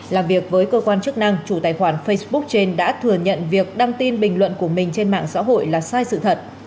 làm việc với cơ quan chức năng chủ tài khoản facebook trên đã thừa nhận việc đăng tin bình luận của mình trên mạng xã hội là sai sự thật